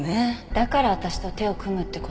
だから私と手を組むって事？